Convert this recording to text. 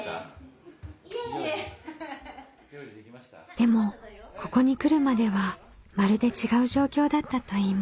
でもここに来るまではまるで違う状況だったといいます。